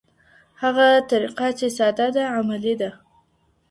هغه طریقه چې ساده ده، عملي ده.